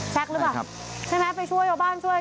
หรือเปล่าใช่ไหมไปช่วยชาวบ้านช่วย